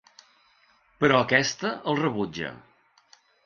Però aquesta el rebutja.